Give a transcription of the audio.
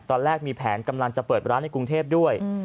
ตอนแรกมีแผนกำลังจะเปิดร้านในกรุงเทพด้วย